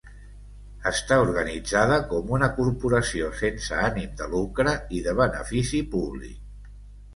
Està organitzada com una corporació sense ànim de lucre i de benefici públic.